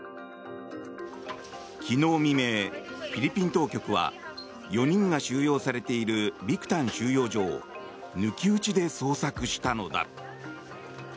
昨日未明、フィリピン当局は４人が収容されているビクタン収容所を抜き打ちで捜索したのだ。